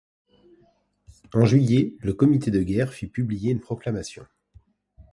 En juillet, le Comité de guerre fit publier une proclamation.